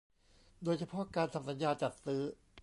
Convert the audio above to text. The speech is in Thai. โดยเฉพาะการทำสัญญาจัดซื้อ